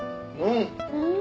うん！